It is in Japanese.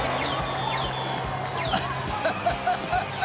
ハハハハ！